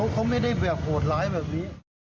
เขาไม่ได้แบบโหดร้ายแบบนี้